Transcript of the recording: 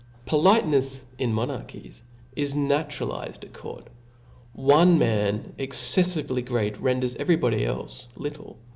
Politenefs, in monarchies, is naturalifed at court. One man exceflively great renders, every body clfe little.